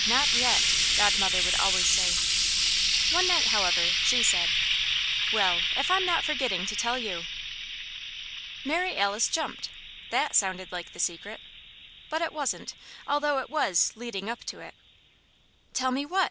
not yet!" Godmother would always say. One night, however, she said: "Well, if I'm not almost forgetting to tell you!" Mary Alice jumped; that sounded like the Secret. But it wasn't although it was "leading up to it." "Tell me what?"